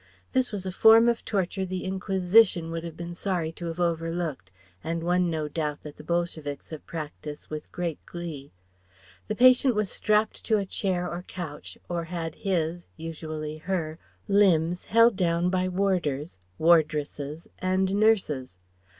This was a form of torture the Inquisition would have been sorry to have overlooked, and one no doubt that the Bolsheviks have practised with great glee. The patient was strapped to a chair or couch or had his usually her limbs held down by warders (wardresses) and nurses.